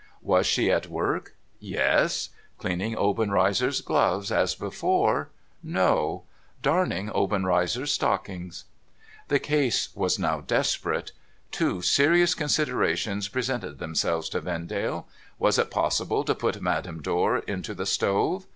Was she at work ? Yes. Cleaning Obenreizer's gloves, as before ? No ; darning Obenreizer's stockings. The case was now desperate. Two serious considerations pre sented themselves to Vendale. Was it possible to put Madame Dor into the stove?